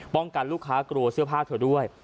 กันลูกค้ากลัวเสื้อผ้าเธอด้วย